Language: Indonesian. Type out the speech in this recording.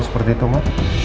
seperti itu ma